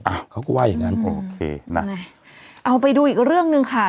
อ่ะเขาก็ว่าอย่างงั้นพอโอเคนะเอาไปดูอีกเรื่องหนึ่งค่ะ